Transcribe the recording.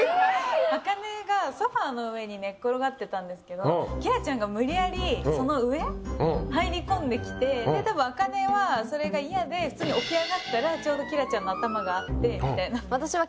茜がソファの上に寝っ転がってたんですけど綺良ちゃんが無理やりその上入り込んできてたぶん茜はそれが嫌で普通に起き上がったらちょうど綺良ちゃんの頭があって。